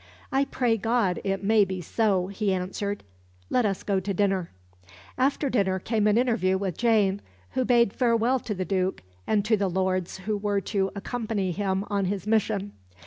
"I pray God it may be so," he answered. "Let us go to dinner." After dinner came an interview with Jane, who bade farewell to the Duke and to the lords who were to accompany him on his mission.